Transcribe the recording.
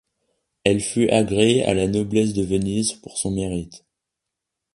Elle fut agrégée à la noblesse de Venise pour son mérite.